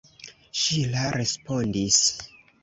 Ŝila respondis.